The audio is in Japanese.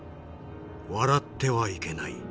笑ってはいけない。